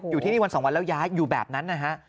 อยู่ที่นี่วันสองวันแล้วย้ายอยู่แบบนั้นนะฮะ